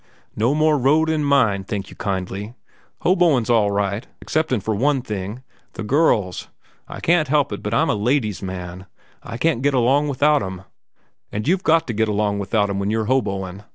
"No more road in mine, thank you kindly. Hoboin's all right, exceptin' for one thing—the girls. I can't help it, but I'm a ladies' man. I can't get along without 'em, and you've got to get along without 'em when you're hoboin'.